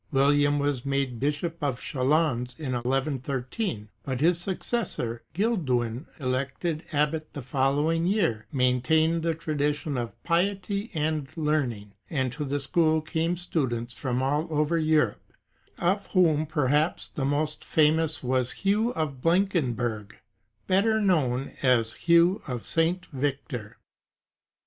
William was made Bishop of Chalons in 11 13, but his successor Gilduin, elected abbot the following year,^ maintained the tradition of piety and learning, and to the school came students from all over Europe, of whom perhaps the most famous was Hugh of Blankenburg, better known as Hugh of St. Victor.